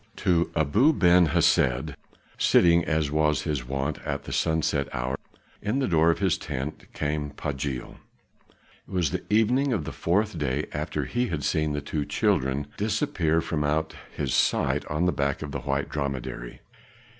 To Abu Ben Hesed, sitting, as was his wont at the sunset hour, in the door of his tent, came Pagiel. It was the evening of the fourth day after he had seen the two children disappear from out his sight on the back of the white dromedary.